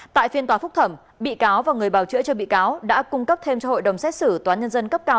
tại phiên tòa phúc thẩm bị cáo và người bảo chữa cho bị cáo đã cung cấp thêm cho hội đồng xét xử tòa nhân dân cấp cao